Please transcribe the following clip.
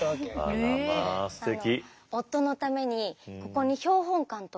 あらまあすてき。